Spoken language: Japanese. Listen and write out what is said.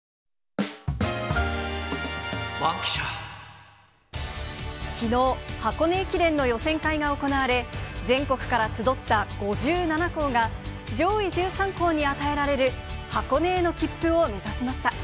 １００回目を迎える箱根駅伝きのう、箱根駅伝の予選会が行われ、全国から集った５７校が、上位１３校に与えられる箱根への切符を目指しました。